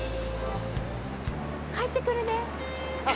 帰ってくるね。